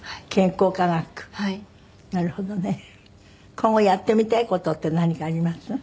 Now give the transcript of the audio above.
今後やってみたい事って何かあります？